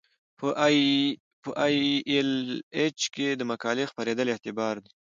په ای ایل ایچ کې د مقالې خپریدل اعتبار دی.